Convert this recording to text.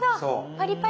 パリパリに。